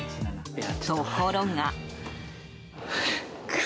ところが。